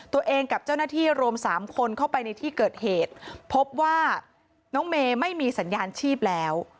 ตัวเองกับเจ้าหน้าที่รวม๓คนเข้าไปในที่เกิดเหตุพบว่าน้องเมย์ไม่มีสัญญาณชีพแล้ว